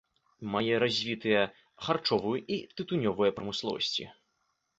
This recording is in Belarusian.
Мае развітыя харчовую і тытунёвую прамысловасці.